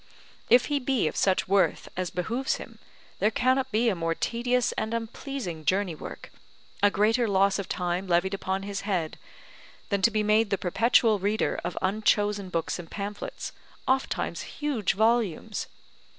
If he be of such worth as behooves him, there cannot be a more tedious and unpleasing journey work, a greater loss of time levied upon his head, than to be made the perpetual reader of unchosen books and pamphlets, ofttimes huge volumes.